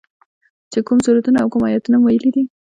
چې کوم سورتونه او کوم ايتونه مې ويلي دي.